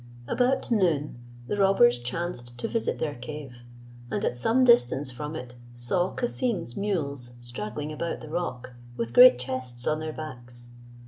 About noon the robbers chanced to visit their cave, and at some distance from it saw Cassim's mules straggling about the rock, with great chests on their backs.